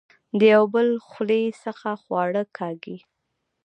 د يو بل خولې څخه خواړۀ کاږي